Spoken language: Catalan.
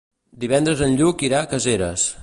Divendres en Lluc irà a Caseres.